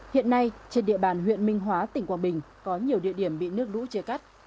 hiện nay trên địa bàn huyện minh hóa tỉnh quảng bình có nhiều địa điểm bị nước lũ chia cắt